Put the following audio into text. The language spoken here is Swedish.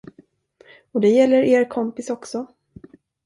Och det gäller er kompis också.